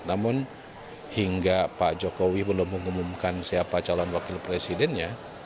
namun hingga pak jokowi belum mengumumkan siapa calon wakil presidennya